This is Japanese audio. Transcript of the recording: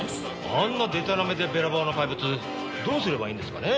あんなでたらめでべらぼうな怪物どうすればいいんですかね？